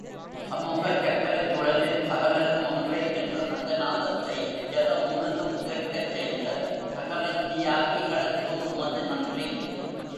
சமூகச் சக்கரச்சுழலில் சகலரும் ஒன்றே என்ற சங்கநாதத்தை, ஜெகமுழுதும் கேட்கச் செய்த சகலத் தியாகிகளுக்கும் எமது நன்றி.